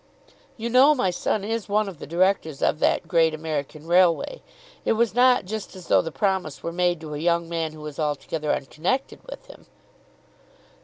"You know my son is one of the Directors of that great American Railway. It was not just as though the promise were made to a young man who was altogether unconnected with him."